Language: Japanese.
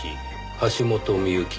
橋本美由紀。